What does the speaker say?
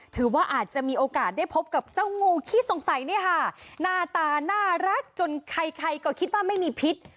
ถือว่าอาจจะมีโอกาสได้พบกับเจ้างูขี้สงสัยเนี่ยค่ะหน้าตาน่ารักจนใครใครก็คิดว่าไม่มีพิษ